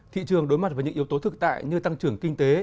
thị trường đối mặt với những yếu tố thực tại như tăng trưởng kinh tế